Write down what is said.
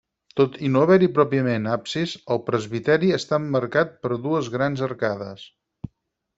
Tot i no haver-hi pròpiament absis, el presbiteri està emmarcat per dues grans arcades.